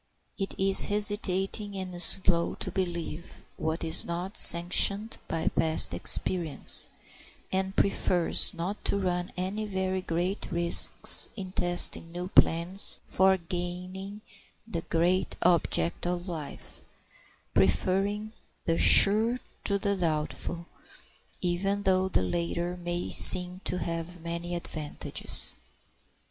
It is hesitating and slow to believe what is not sanctioned by past experience, and prefers not to run any very great risks in testing new plans for gaining the great object of life, preferring the sure to the doubtful, even though the latter may seem to have many advantages.